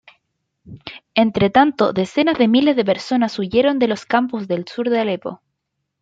Entretanto, decenas de miles de personas huyeron de los campos al sur de Alepo.